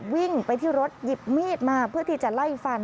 วิ่งไปที่รถหยิบมีดมาเพื่อที่จะไล่ฟัน